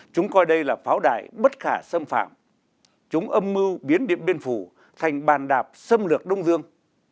chúng coi đây là pháo đại bất khả xâm phạm chúng âm mưu biến biến biến phủ thành bàn đạp xâm lược đông dương